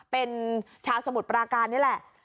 เป็นชาวสมุทรปราการนี่แหละ